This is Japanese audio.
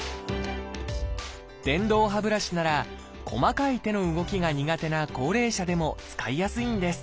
電動歯ブラシなら細かい手の動きが苦手な高齢者でも使いやすいんです。